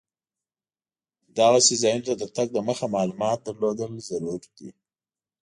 دغسې ځایونو ته تر تګ دمخه معلومات لرل ضرور دي.